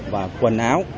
và quần áo